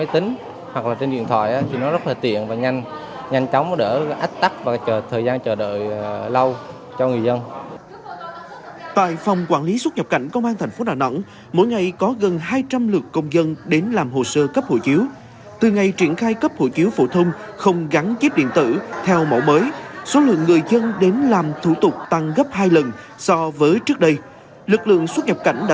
thưa quý vị trước tình trạng số lượng người dân đến làm hộ chiếu mẫu mới quá đông phòng quản lý xuất nhập cảnh công an tp đà nẵng đã thực hiện phân luồng và đẩy mạnh hướng dẫn người dân làm thủ tục cấp hộ chiếu trực tuyến qua cổng dịch vụ công